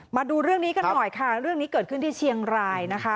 มาดูเรื่องนี้กันหน่อยค่ะเรื่องนี้เกิดขึ้นที่เชียงรายนะคะ